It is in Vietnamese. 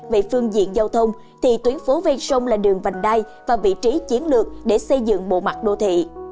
về phương diện giao thông thì tuyến phố ven sông là đường vành đai và vị trí chiến lược để xây dựng bộ mặt đô thị